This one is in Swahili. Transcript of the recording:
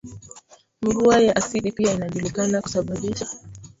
Mvua ya asidi pia inajulikana kusababisha